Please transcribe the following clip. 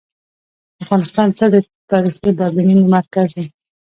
افغانستان تل د تاریخي بدلونونو مرکز و.